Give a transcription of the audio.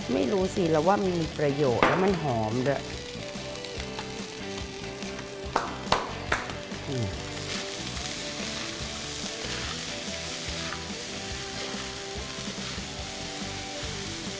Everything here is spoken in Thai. ไม่รู้สิแล้วว่ามันมีประโยชน์แล้วมันหอมด้วย